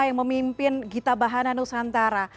yang memimpin gita bahana nusantara